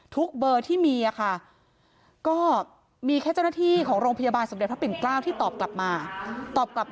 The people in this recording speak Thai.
เบอร์ที่มีค่ะก็มีแค่เจ้าหน้าที่ของโรงพยาบาลสมเด็จพระปิ่นเกล้าที่ตอบกลับมาตอบกลับ